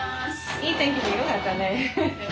いい天気でよかったね。